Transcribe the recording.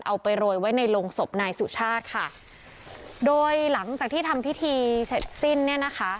เอาไปโรยไว้ในโรงศพนายสุชาติค่ะโดยหลังจากที่ทำพิธีเสร็จสิ้นเนี่ยนะคะ